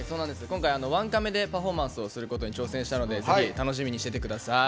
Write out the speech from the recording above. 今回ワンカメでパフォーマンスをすることに挑戦したのでぜひ楽しみにしててください。